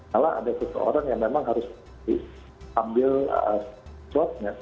malah ada seseorang yang memang harus diambil swab nya